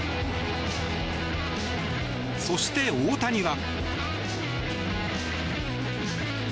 そして、大谷は。